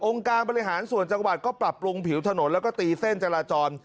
การบริหารส่วนจังหวัดก็ปรับปรุงผิวถนนแล้วก็ตีเส้นจราจร